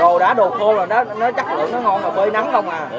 đồ đã đồ khô rồi đó nó chất lượng nó ngon mà phơi nắng không à